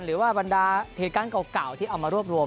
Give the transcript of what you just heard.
หรือว่าบรรดาเหตุการณ์เก่าที่เอามารวบรวม